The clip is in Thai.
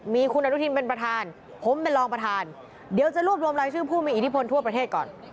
มีคุณอนุทินเป็นประธานผมเป็นรองประธานเดี๋ยวจะรวบรวมรายชื่อผู้มีอิทธิพลทั่วประเทศก่อน